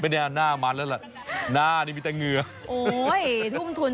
เป็นอย่างการหน้ามันแล้วละหน้านี้มีแต่เงล